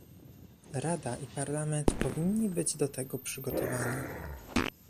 Rada i Parlament powinni być do tego przygotowani